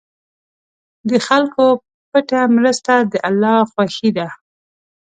د خلکو پټه مرسته د الله خوښي ده.